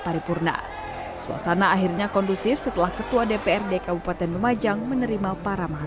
tarifurna suasana akhirnya kondusif setelah ketua dprd yang menerbitkan perubahan kemas kawasan kantor dprd lumajang